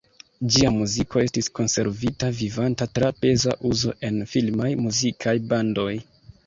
Ĝia muziko estis konservita vivanta tra peza uzo en filmaj muzikaj bandoj.